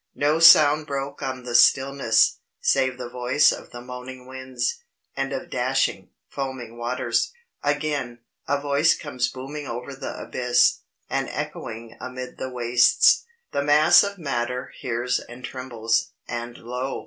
No sound broke on the stillness, save the voice of the moaning winds, and of dashing, foaming waters. Again, a voice comes booming over the abyss, and echoing amid the wastes, the mass of matter hears and trembles, and lo!